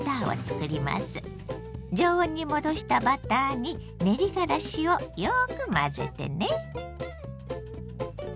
常温に戻したバターに練がらしをよく混ぜてね。